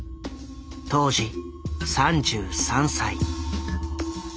当時３３歳。